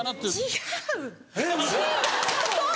違う！